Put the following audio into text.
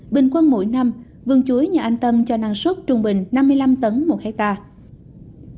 bình quân mỗi năm vườn chuối nhà anh tâm cho năng suất trung bình năm mươi năm tấn một hectare